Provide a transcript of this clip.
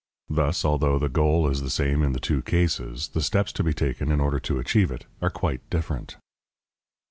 Thus, although the goal is the same in the two cases, the steps to be taken in order to achieve it are quite different.